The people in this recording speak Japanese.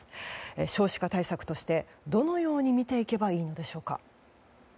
少子化対策としてどのように見ていけばいいのでしょうか。